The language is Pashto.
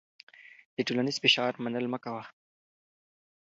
د ټولنیز فشار منل مه کوه.